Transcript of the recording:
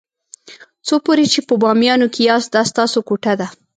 څو پورې چې په بامیانو کې یاست دا ستاسو کوټه ده.